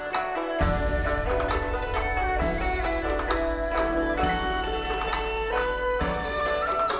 จนกว่าผมจะหมดกำลังที่ผมจะสืบสารการแสดงชอบสิงโตมังกร